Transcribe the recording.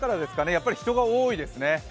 やっぱり人が多いですね。